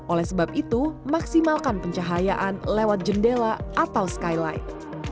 oleh sebab itu maksimalkan pencahayaan lewat jendela atau skylight